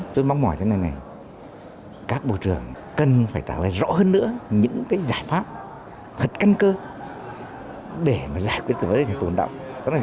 tôi mong mỏi thế này này các bộ trưởng cần phải trả lời rõ hơn nữa những cái giải pháp thật căn cơ để giải quyết cái vấn đề tồn động